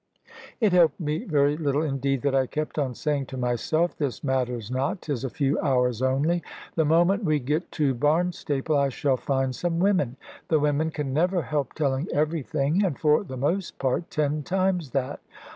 It helped me very little, indeed, that I kept on saying to myself, "This matters not; 'tis a few hours only. The moment we get to Barnstaple, I shall find some women; the women can never help telling everything, and for the most part ten times that.